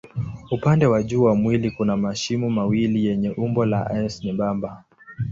Upande wa juu wa mwili kuna mashimo mawili yenye umbo la S nyembamba.